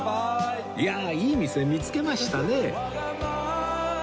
いやあいい店見付けましたね